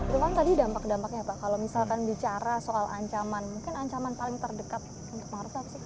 cuman tadi dampak dampaknya pak kalau misalkan bicara soal ancaman mungkin ancaman paling terdekat untuk mangrove apa sih